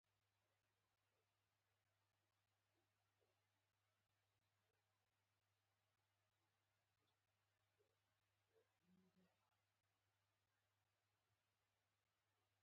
دعاګانو او تلاوتونو خوږو غږونو ځانګړې ښکلا ور بخښلې وه.